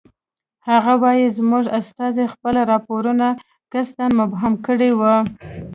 هغه وایي زموږ استازي خپل راپورونه قصداً مبهم کړی وو.